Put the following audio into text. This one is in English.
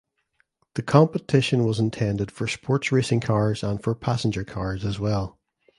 The competition was intended for sports racing cars and for passenger cars as well.